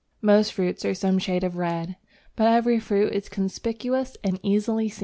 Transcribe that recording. Most fruits are some shade of red, but every fruit is conspicuous and easily seen.